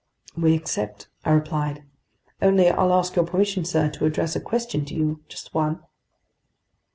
"We accept," I replied. "Only, I'll ask your permission, sir, to address a question to you, just one."